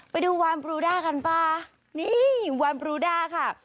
ไปดูวานพรูด้ากันป่ะนี่วานพรูด้าค่ะ